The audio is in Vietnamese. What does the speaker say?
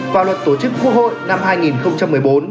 và luật tổ chức quốc hội năm hai nghìn một mươi bốn